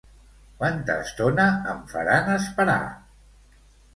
Quanta estona em faran esperar?